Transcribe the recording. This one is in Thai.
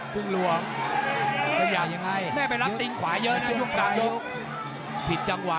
แก้ไปรับตริงขวาเยอะนะ